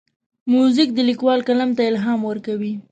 موزیک د لیکوال قلم ته الهام ورکوي.